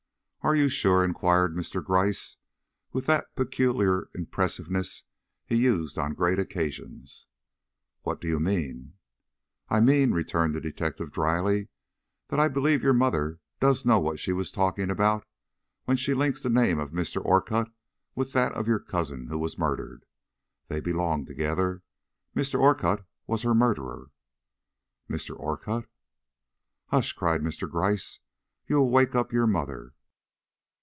"Are you sure?" inquired Mr. Gryce, with that peculiar impressiveness he used on great occasions. "What do you mean?" "I mean," returned the detective, dryly, "that I believe your mother does know what she is talking about when she links the name of Mr. Orcutt with that of your cousin who was murdered. They belong together; Mr. Orcutt was her murderer." "Mr. Orcutt?" "Hush!" cried Mr. Gryce, "you will wake up your mother."